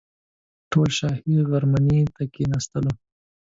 ټول شاهي غرمنۍ ته کښېنستلو.